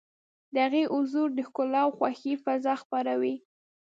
د هغې حضور د ښکلا او خوښۍ فضا خپروي.